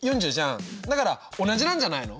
だから同じなんじゃないの？